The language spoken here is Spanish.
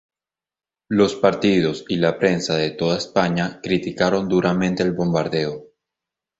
Los partidos y la prensa de toda España criticaron duramente el bombardeo.